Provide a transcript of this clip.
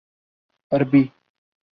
عربی